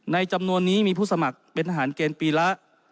จำนวนนี้มีผู้สมัครเป็นทหารเกณฑ์ปีละ